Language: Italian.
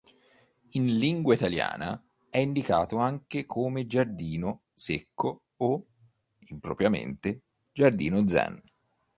In lingua italiana è indicato anche come giardino secco o, impropriamente, giardino zen.